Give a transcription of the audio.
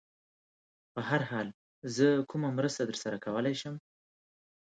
په هر حال، زه کومه مرسته در سره کولای شم؟